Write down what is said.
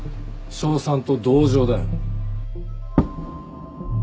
称賛と同情だよ。